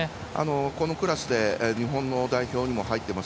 このクラスで日本の代表にも入っています